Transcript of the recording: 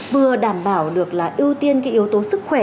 vừa đảm bảo được là ưu tiên cái yếu tố sức khỏe